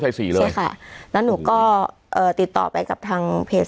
ใช่ค่ะแล้วหนูก็ติดต่อไปกับทางเพจ